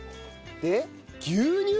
で牛乳！？